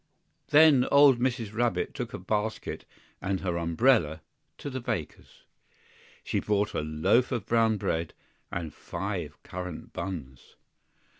THEN old Mrs. Rabbit took a basket and her umbrella, to the baker's. She bought a loaf of brown bread and five currant buns.